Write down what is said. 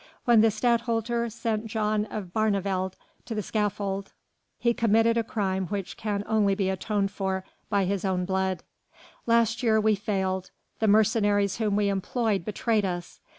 When the Stadtholder sent John of Barneveld to the scaffold he committed a crime which can only be atoned for by his own blood. Last year we failed. The mercenaries whom we employed betrayed us.